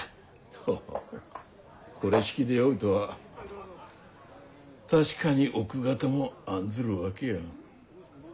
おおこれしきで酔うとは確かに奥方も案ずるわけよ。